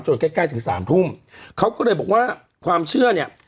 ใกล้ใกล้ถึงสามทุ่มเขาก็เลยบอกว่าความเชื่อเนี่ย